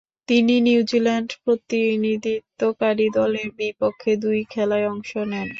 তিনি নিউজিল্যান্ড প্রতিনিধিত্বকারী দলের বিপক্ষে দুই খেলায় অংশ নেন।